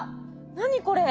何これ？